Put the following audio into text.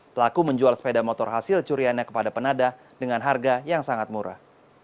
pelaku menjual sepeda motor hasil curiannya kepada penadah dengan harga yang sangat murah